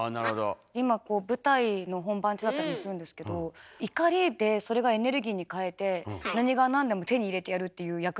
今舞台の本番中だったりもするんですけど怒りでそれがエネルギーに換えて何が何でも手に入れてやるっていう役なんですけど今。